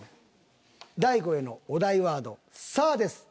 大悟へのお題ワード「さぁ」です。